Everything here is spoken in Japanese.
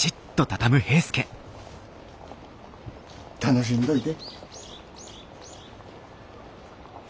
楽しんどいで。